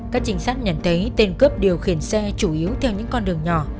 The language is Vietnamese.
các trinh sát nhận thấy tên cướp điều khiển xe chủ yếu theo những con đường nhỏ